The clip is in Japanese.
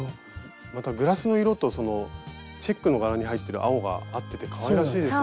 またグラスの色とチェックの柄に入ってる青が合っててかわいらしいですね。